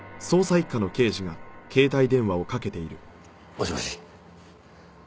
もしもし。